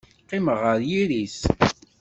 Qqimeɣ ɣer yiri-s.